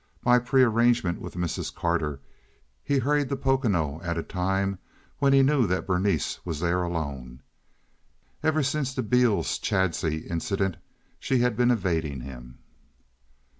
By prearrangement with Mrs. Carter he hurried to Pocono at a time when he knew that Berenice was there alone. Ever since the Beales Chadsey incident she had been evading him.